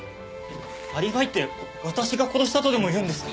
アリバイって私が殺したとでも言うんですか？